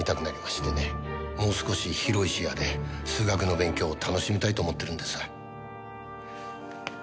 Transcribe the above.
もう少し広い視野で数学の勉強を楽しみたいと思ってるんですが。